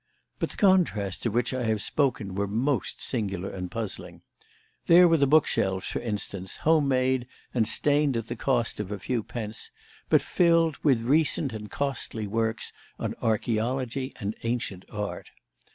But the contrasts of which I have spoken were most singular and puzzling. There were the bookshelves, for instance, home made and stained at the cost of a few pence, but filled with recent and costly works on archaeology and ancient art.